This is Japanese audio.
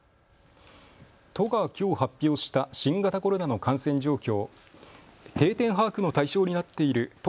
都がきょう発表した新型コロナの感染状況。